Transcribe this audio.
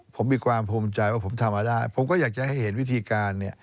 ผมมีความภูมิใจว่าผมทำมาได้ผมก็อยากจะให้เห็นวิธีการเนี่ย